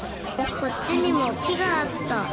こっちにも木があった。